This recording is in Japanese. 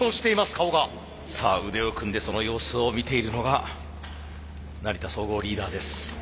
さあ腕を組んでその様子を見ているのが成田総合リーダーです。